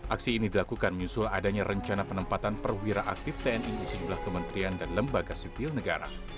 aksi ini dilakukan menyusul adanya rencana penempatan perwira aktif tni di sejumlah kementerian dan lembaga sipil negara